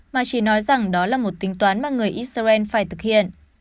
mà chỉ nói rằng đó là một tính toán mà người israel phải thực hiện